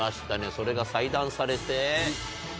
それが裁断されて。